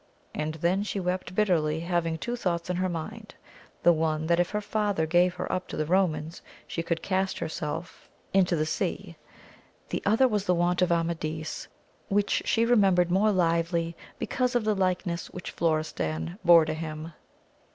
and then she wept bitterly, having two thoughts in her mind : the one, that if her father gave her up to the Komans she would cast herself into the 16 AMADIS OF GAUL sea ; the other was the want of Amadis, which she re membered more livelily because of the likeness which Florestan bore to him.